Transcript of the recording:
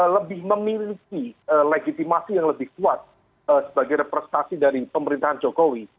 lebih memiliki legitimasi yang lebih kuat sebagai representasi dari pemerintahan jokowi